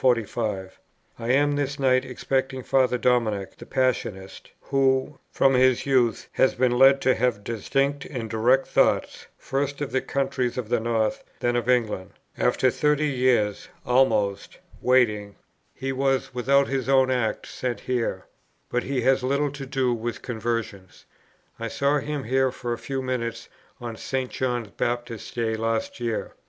I am this night expecting Father Dominic, the Passionist, who, from his youth, has been led to have distinct and direct thoughts, first of the countries of the North, then of England. After thirty years' (almost) waiting, he was without his own act sent here. But he has had little to do with conversions. I saw him here for a few minutes on St. John Baptist's day last year.